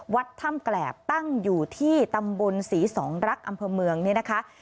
วัดถ้ำแกรบตั้งอยู่ที่ตำบลศรีสองรักอำเภอเมืองนี่นะคะ